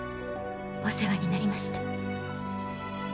お世話になりました。